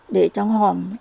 để trong hòm